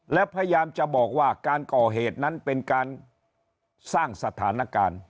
และพยายามจะบอกว่าการก่อเหตุนั้นเป็นการสร้างสถานการณ์